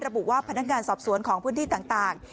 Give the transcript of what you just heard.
ระบุว่าพนักงานสอบสวนของพื้นที่ต่าง